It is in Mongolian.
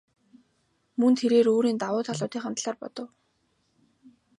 Мөн тэрээр өөрийн давуу талуудынхаа талаар бодов.